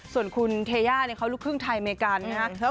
ส่วนคุณเทย่าเขาลูกครึ่งไทยอเมริกันนะครับ